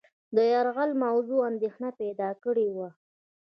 د یرغل موضوع اندېښنه پیدا کړې وه.